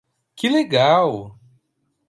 Que legal!